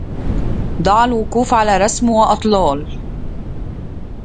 دع الوقوف على رسم وأطلال